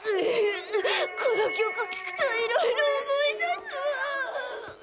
この曲聴くといろいろ思い出すわ。